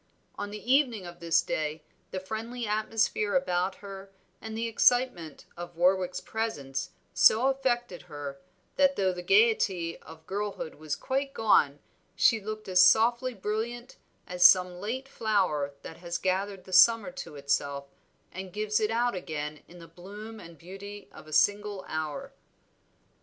On the evening of this day the friendly atmosphere about her, and the excitement of Warwick's presence so affected her, that though the gayety of girlhood was quite gone she looked as softly brilliant as some late flower that has gathered the summer to itself and gives it out again in the bloom and beauty of a single hour.